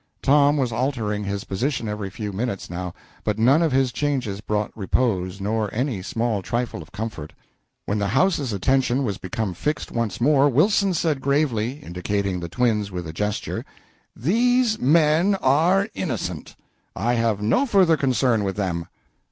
Tom was altering his position every few minutes, now, but none of his changes brought repose nor any small trifle of comfort. When the house's attention was become fixed once more, Wilson said gravely, indicating the twins with a gesture "These men are innocent I have no further concern with them.